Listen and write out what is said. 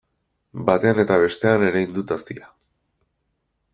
Batean eta bestean erein dut hazia.